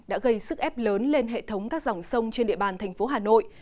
đã gây sức ép lớn lên hệ thống các dòng sông trên địa bàn tp hà nội